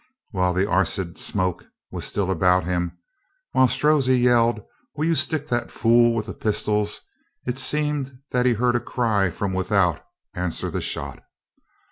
While the acrid smoke was still about him, while Strozzi yelled : "Will you stick that fool with the pistols?" it seemed that he heard a cry from without answer the shot.